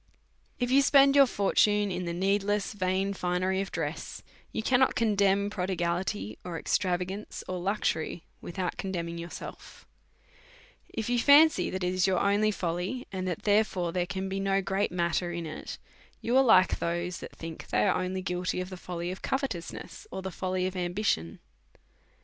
If you spend your fortune in the needless vain finery of dress, you cannot condemn prodigality, or extrava gance, or luxury, without condemning yourself If you fancy that it is your own folly, and that therefore there can be no great matter in it, you are g3 86 A SERIOUS CALL TO A like those that think they are only guilty of the folly of covetousness, or the folly of ambition.